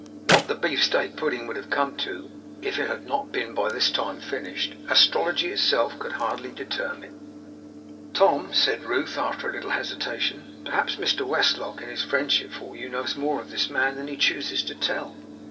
What the beef steak pudding would have come to, if it had not been by this time finished, astrology itself could hardly determine. 'Tom,' said Ruth, after a little hesitation, 'perhaps Mr Westlock, in his friendship for you, knows more of this than he chooses to tell.